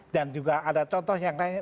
dan juga ada contoh yang lainnya